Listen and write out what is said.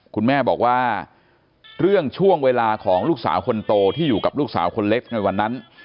คุณแม่บอกว่าเรื่องช่วงเวลาของลูกสาวคนโตที่อยู่กับลูกสาวคนเล็กในวันนั้น